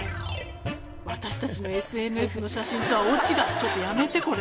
私たちのＳＮＳの写真とは大違いちょっとやめて！